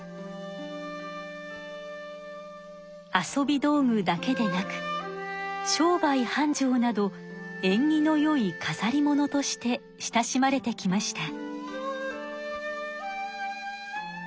遊び道具だけでなく商売はんじょうなどえんぎのよいかざりものとして親しまれてきました。